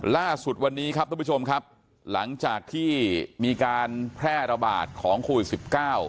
ล่าสุดวันนี้ครับทุกผู้ชมครับหลังจากที่มีการแพร่ระบาดของโควิดสิบเก้า